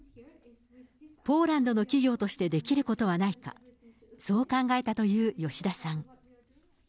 ポーランドの企業としてできることはないか、そう考えたという吉田さん。